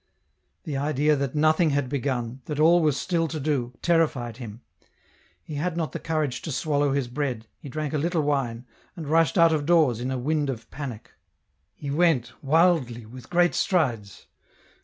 The idea that nothing had begun, that all was still to do, terrified him ; he had not the courage to swallow his bread, he drank a little wine, and rushed out of doors in a wind of panic. He went, wildly, with great strides.